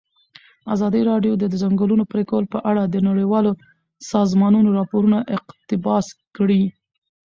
ازادي راډیو د د ځنګلونو پرېکول په اړه د نړیوالو سازمانونو راپورونه اقتباس کړي.